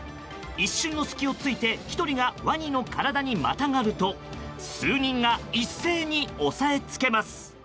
一瞬の隙をついて１人がワニの体にまたがると数人が一斉に押さえつけます。